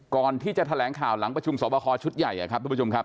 ก่อนที่จะแถลงข่าวหลังประชุมสอบคอชุดใหญ่ครับทุกผู้ชมครับ